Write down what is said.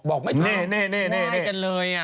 ว้ายกันเลย